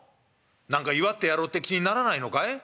何か祝ってやろうって気にならないのかい？」。